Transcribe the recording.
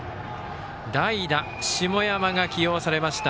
代打、下山が起用されました。